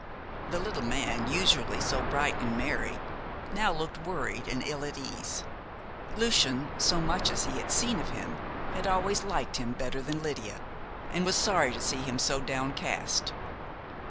The little man, usually so bright and merry, now looked worried and ill at ease. Lucian so much as he had seen of him had always liked him better than Lydia, and was sorry to see him so downcast.